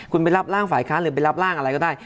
คุณไปรับร่างฝ่ายค้านหรือไปรับร่างอะไรก็ได้